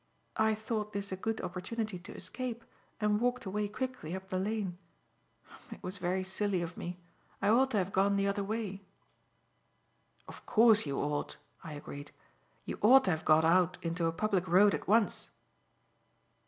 I thought this a good opportunity to escape, and walked away quickly up the lane; it was very silly of me; I ought to have gone the other way." "Of course you ought," I agreed, "you ought to have got out into a public road at once."